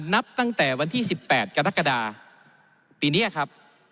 นับตั้งแต่วันที่๑๘กรกฎาปีนี้ครับ